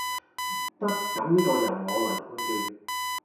得，噉呢個由我來判斷